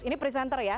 ini presenter ya